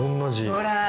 ほら！